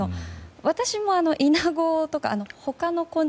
私もイナゴとか、他の昆虫。